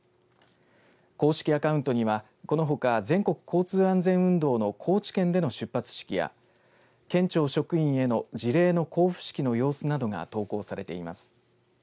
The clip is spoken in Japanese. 公式アカウントにはこのほか全国交通安全運動の高知県での出発式や県庁職員への辞令の交付式の様子などが投稿されています。